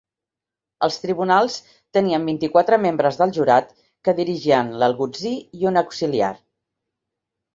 Els tribunals tenien vint-i-quatre membres del jurat, que dirigien l'algutzir i un auxiliar.